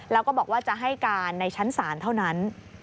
แล้วก็บอกว่าจะให้การในชั้นศาลเท่านั้น